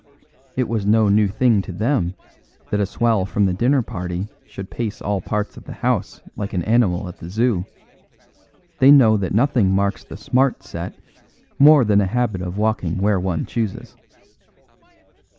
It was no new thing to them that a swell from the dinner party should pace all parts of the house like an animal at the Zoo; they know that nothing marks the Smart Set more than a habit of walking where one chooses.